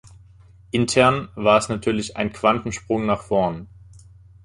Intern war es natürlich ein Quantensprung nach vorn.